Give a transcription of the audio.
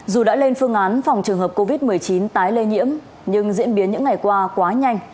dù đã lên phương án phòng trường hợp covid một mươi chín tái lây nhiễm nhưng diễn biến những ngày qua quá nhanh